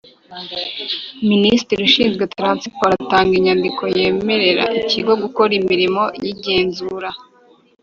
Minisitiri ushinzwe Transiporo atanga inyandiko yemerera ikigo gukora imirimo y’igenzura